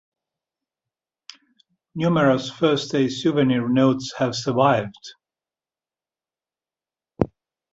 Numerous "first day" souvenir notes have survived.